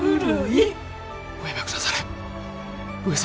おやめ下され上様。